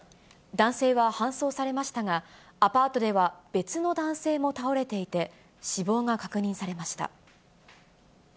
男性は搬送されましたが、アパートでは別に男性も倒れていて、死亡が確認されました。